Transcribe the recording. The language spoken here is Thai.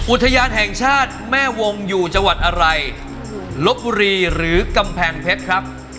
อุทยานแห่งชาติแม่วงอยู่จังหวัดอะไรลบบุรีหรือกำแพงเพชรครับ